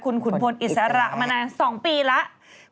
คุณขุนพลอิสระมานาน๒ปีแล้ว